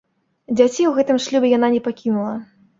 Дзяцей у гэтым шлюбе яна не пакінула.